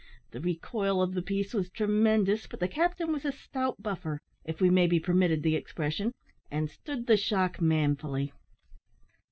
The recoil of the piece was tremendous, but the captain was a stout buffer if we may be permitted the expression and stood the shock manfully.